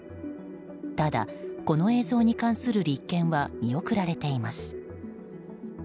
ただ、この映像に関する立件は見送られています。